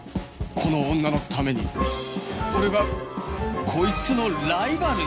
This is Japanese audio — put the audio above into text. この女のために俺がこいつのライバルに！？